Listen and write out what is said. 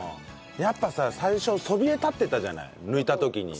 やっぱさ最初そびえ立ってたじゃない抜いた時に。